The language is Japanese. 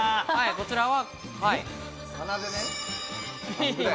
こちらは。